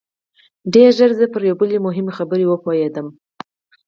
ډېر ژر زه پر یوې بلې مهمې خبرې وپوهېدم